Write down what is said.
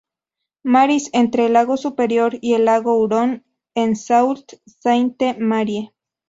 Marys entre el lago Superior y el lago Hurón, en Sault Sainte Marie.